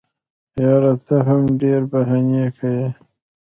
یاره ته هم ډېري بهانې کیې.